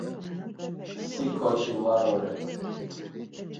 Si ǩoçi var ore!